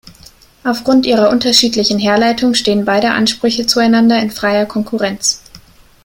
Aufgrund ihrer unterschiedlichen Herleitung stehen beide Ansprüche zueinander in freier Konkurrenz.